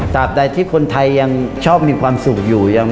ตามใดที่คนไทยยังชอบมีความสุขอยู่